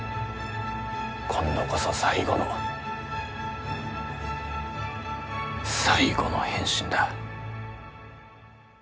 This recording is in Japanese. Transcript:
今度こそ最後の最後の変身だ。